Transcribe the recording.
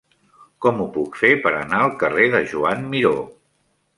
Com ho puc fer per anar al carrer de Joan Miró?